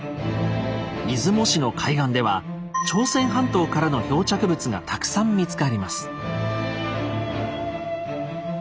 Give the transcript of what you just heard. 出雲市の海岸では朝鮮半島からの漂着物がたくさん見つかります。